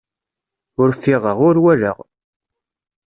Ur ffiɣeɣ, ur walaɣ.